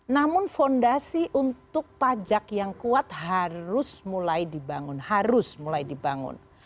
namun fondasi untuk pajak yang kuat harus mulai dibangun harus mulai dibangun